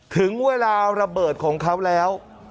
ถึงเวลาระเบิดของเขาแล้ว